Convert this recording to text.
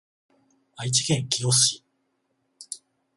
愛知県清須市